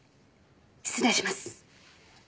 失礼します。